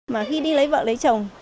mà khi đi lấy vợ lấy chồng